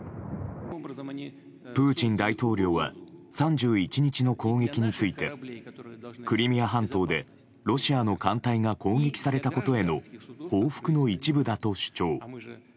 プーチン大統領は３１日の攻撃についてクリミア半島でロシアの艦隊が攻撃されたことへの報復の一部だと主張。